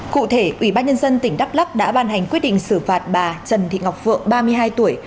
cụ thể ủy ban nhân dân tỉnh đắk lắc đã ban hành quyết định xử phạt bà trần thị ngọc phượng ba mươi hai tuổi